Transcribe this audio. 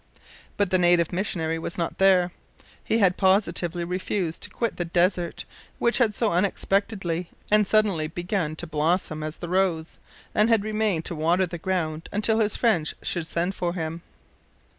But the native missionary was not there. He had positively refused to quit the desert which had so unexpectedly and suddenly begun to blossom as the rose, and had remained to water the ground until his friends should send for him.